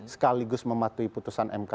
sekaligus mematuhi putusan mk